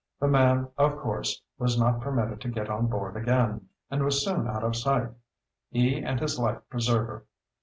The man, of course, was not permitted to get on board again, and was soon out of sight, he and his life preserver.